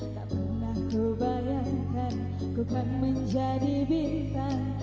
tak pernah ku bayangkan ku kan menjadi bintang